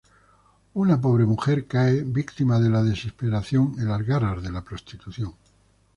Una pobre mujer cae, víctima de la desesperación, en las garras de la prostitución.